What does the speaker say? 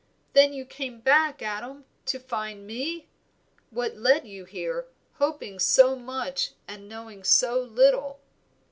Then you came back, Adam, to find me? What led you here, hoping so much and knowing so little?"